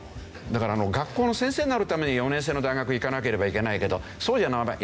だから学校の先生になるために４年制の大学に行かなければいけないけどそうじゃない場合